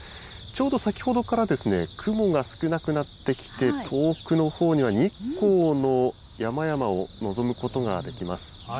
ちょうど先ほどから雲が少なくなってきて、遠くのほうには日光の山々を望むことができます。